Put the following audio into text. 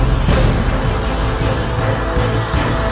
mas rasha tunggu